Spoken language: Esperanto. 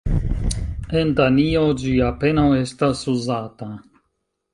En Danio ĝi apenaŭ estas uzata.